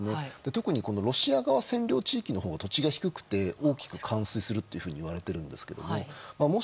特にロシア側占領地域のほうは土地が低くて大きく冠水するというふうにいわれているんですけれども。